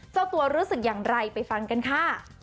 เจ้าตัวรู้สึกอย่างไรไปฟังกันค่ะ